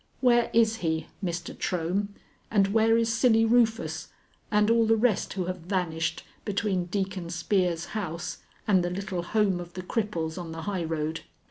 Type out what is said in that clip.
Where is he, Mr. Trohm? and where is Silly Rufus and all the rest who have vanished between Deacon Spear's house and the little home of the cripples on the highroad?